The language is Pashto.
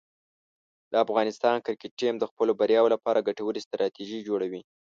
د افغانستان کرکټ ټیم د خپلو بریاوو لپاره ګټورې ستراتیژۍ جوړوي.